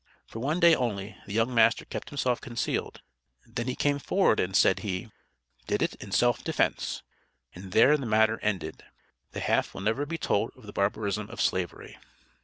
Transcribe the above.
For one day only the young master kept himself concealed, then he came forward and said he "did it in self defense," and there the matter ended. The half will never be told of the barbarism of Slavery.